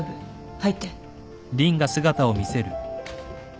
入って。